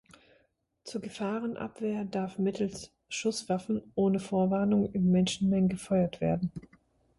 Zur Gefahrenabwehr darf mittels Schusswaffen ohne Vorwarnung in Menschenmengen gefeuert werden.